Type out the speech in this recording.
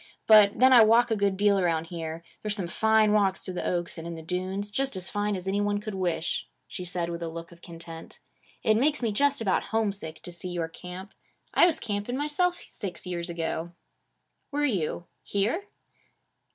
But then I walk a good deal around here. There's some fine walks through the oaks and in the dunes; just as fine as any one could wish,' she said with a look of content. 'It makes me just about homesick to see your camp. I was camping myself six years ago.' 'Were you? Here?'